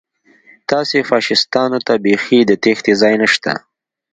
تاسې فاشیستانو ته بیخي د تېښتې ځای نشته